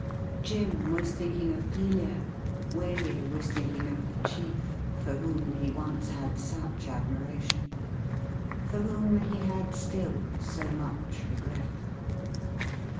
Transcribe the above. Jim was thinking of Clelia ; Waley was thinking of the chief, for whom he once had such admiration — for whom he had still so much regret.